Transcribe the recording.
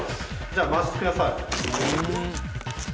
じゃあ回してください